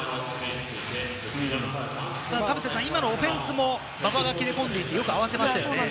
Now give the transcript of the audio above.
今のオフェンスも馬場が切れ込んでいて、よく合わせましたよね。